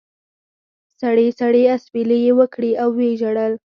سړې سړې اسوېلې یې وکړې او و یې ژړل.